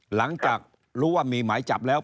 หลังจากรู้ว่ามีหมายจับแล้ว